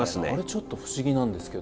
ちょっと不思議なんですけど。